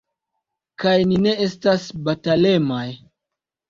Kaj ni ne estas batalemaj.